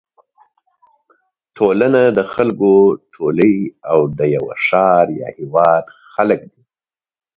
ټولنه د خلکو ټولی او د یوه ښار یا هېواد خلک دي.